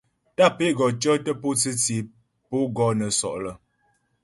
Tàp é ko cyɔtə pǒtsə tsyé pǒ gɔ nə́ sɔ' lə́.